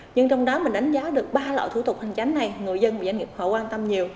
nhưng trong đó mình đánh giá được ba loại thủ tục hành chánh này người dân và doanh nghiệp họ quan tâm nhiều